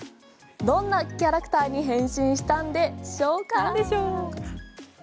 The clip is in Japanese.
どんなキャラクターに変身したんでしょうか。